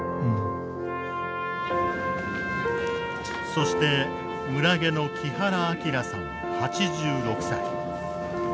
そして村下の木原明さん８６歳。